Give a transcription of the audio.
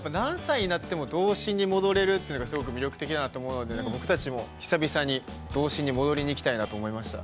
童心に戻れるというのがすごく魅力的だと思って、僕たちも久々に童心に戻りに行きたいと思いました。